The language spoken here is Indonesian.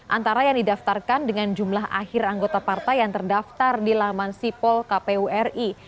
antara yang didaftarkan dengan jumlah akhir anggota partai yang terdaftar di laman sipol kpu ri